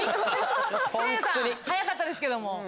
知念さん早かったですけども。